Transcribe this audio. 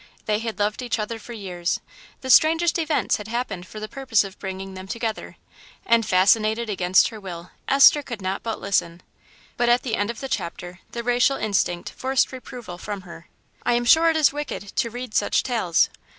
They had loved each other for years. The strangest events had happened for the purpose of bringing them together, and, fascinated against her will, Esther could not but listen. But at the end of the chapter the racial instinct forced reproval from her. "I am sure it is wicked to read such tales."